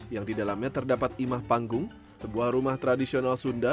yang di dalamnya terdapat imah panggung sebuah rumah tradisional sunda